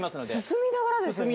進みながらですよね？